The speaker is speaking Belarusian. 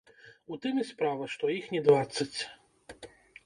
У тым і справа, што іх не дваццаць.